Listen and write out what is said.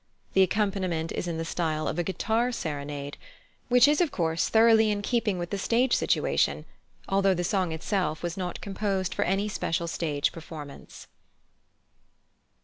The accompaniment is in the style of a guitar serenade, which is, of course, thoroughly in keeping with the stage situation, although the song itself was not composed for any special stage performance.